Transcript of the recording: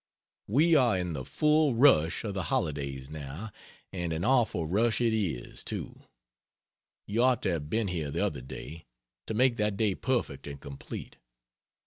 We are in the full rush of the holidays now, and an awful rush it is, too. You ought to have been here the other day, to make that day perfect and complete.